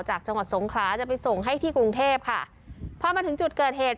จากจังหวัดสงขลาจะไปส่งให้ที่กรุงเทพค่ะพอมาถึงจุดเกิดเหตุ